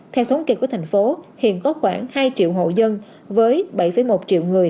theo thống kê của thành phố hiện có khoảng hai triệu hộ dân với bảy một triệu người